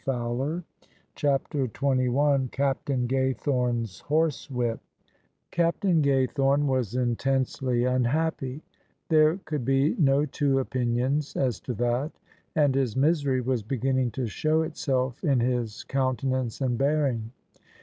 [288 J CHAPTER XXI CAPTAIN GAYTHORNE'S HORSEWHIP Captain Gaythorne was intensely unhappy: there could be no two opinions as to that: and his misery was beginning to show itself in his countenance and bearing.